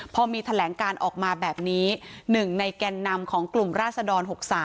พอมีแถลงการออกมาแบบนี้๑ในแก่นนำของกลุ่มราศดร๖๓